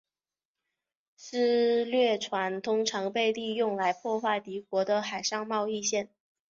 私掠船通常被利用来破坏敌国的海上贸易线。